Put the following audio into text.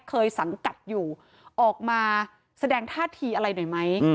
สังกัดอยู่ออกมาแสดงท่าทีอะไรหน่อยไหม